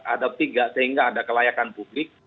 ada tiga sehingga ada kelayakan publik